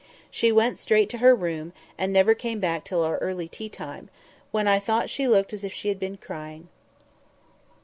She went straight to her room, and never came back till our early tea time, when I thought she looked as if she had been crying.